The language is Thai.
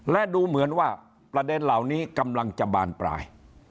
และดูเหมือนว่าประเด็นเหล่านี้กำลังจะบานปลาย